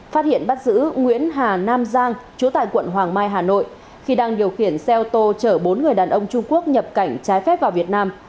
phát hiện bắt giữ nguyễn hà nam giang chú tại quận hoàng mai hà nội khi đang điều khiển xe ô tô chở bốn người đàn ông trung quốc nhập cảnh trái phép vào việt nam